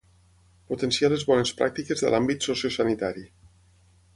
Potenciar les bones pràctiques de l'àmbit sociosanitari.